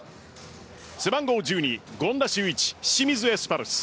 背番号１２・権田修一清水エスパルス